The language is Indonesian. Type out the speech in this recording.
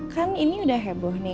kan ini udah heboh nih